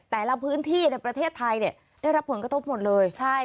แต่ละพื้นที่ในประเทศไทยเนี่ยได้รับผลกระทบหมดเลยใช่